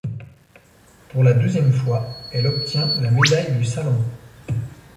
Pour la deuxième fois elle obtient la médaille du Salon.